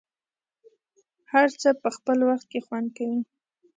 هر څه په خپل وخت کې خوند کوي.